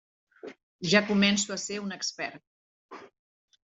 Ja començo a ser un expert.